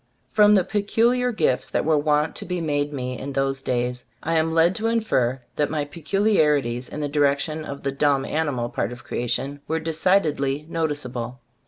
From the peculiar gifts that were wont to be made me in those days, I am led to infer that my peculiarities 68 ttbe Storg of A* Cbf lobooo in the direction of the dumb animal part of creation, were decidedly no ticeable.